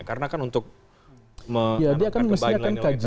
karena kan untuk menanamkan kembali nilai nilai tertinggi